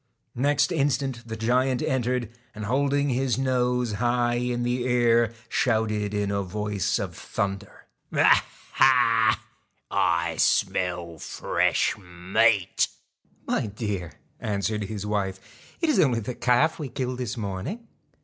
Next instant the giant entered, and holding his nose high in the air, shouted in a voice of thunder : 1 Ha ! Ha ! I smell fresh meat.' 'My dear,' answered his wife, 'it is only the calf we killed this morning.'